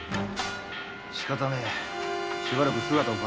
しかたねぇしばらく姿を隠していろ。